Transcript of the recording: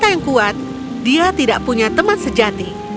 yang kuat dia tidak punya teman sejati